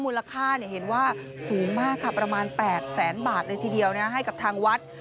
มูลค่าเห็นว่าสูงมากค่ะประมาณ๘แสนบาทเลยทีเดียวให้กับทางวัด